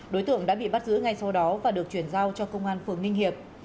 đối tượng đã bị bắt giữ ngay sau đó và được chuyển giao cho công an phường ninh hiệp